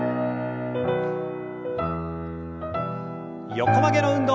横曲げの運動。